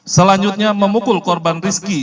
selanjutnya memukul korban rizki